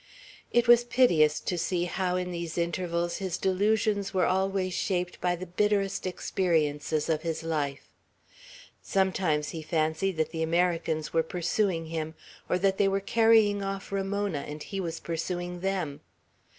It was piteous to see how in these intervals his delusions were always shaped by the bitterest experiences of his life. Sometimes he fancied that the Americans were pursuing him, or that they were carrying off Ramona, and he was pursuing them.